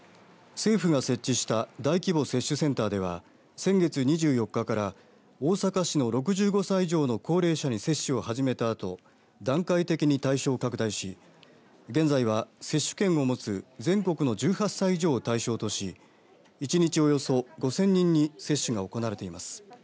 政府が設置した大規模接種センターでは先月２４日から大阪市の６５歳以上の高齢者に接種を始めたあと段階的に対象を拡大し現在は接種券を持つ全国の１８歳以上を対象とし１日およそ５０００人に接種が行われています。